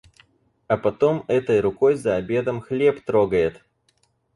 А потом этой рукой за обедом хлеб трогает.